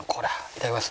いただきます。